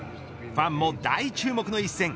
ファンも大注目の一戦。